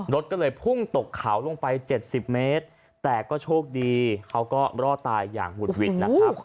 รถก็เลยพุ่งตกเขาลงไป๗๐เมตรแต่ก็โชคดีเขาก็รอดตายอย่างหุดหวิดนะครับ